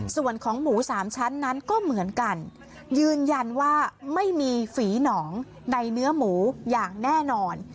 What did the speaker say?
ส่วนของหมูสามชั้นนั้นก็เหมือนกันยืนยันว่าไม่มีฝีหนองในเนื้อหมูอย่างแน่นอน